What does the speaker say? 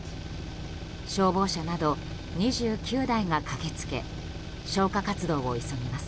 消防車など２９台が駆け付け消火活動を急ぎます。